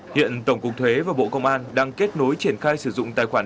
hiện tổng cục thuế và bộ công an đang kết nối triển khai sử dụng tài khoản